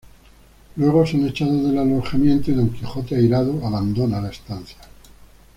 Luego, son echados del alojamiento y don Quijote, airado, abandona la estancia.